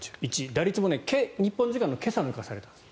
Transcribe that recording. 打率も日本時間の今朝抜かされたんです。